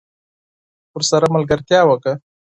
ورسره ملګرتیا وکړه